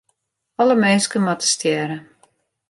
Alle minsken moatte stjerre.